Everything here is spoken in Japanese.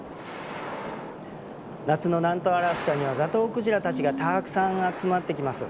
夏の南東アラスカにはザトウクジラたちがたくさん集まってきます。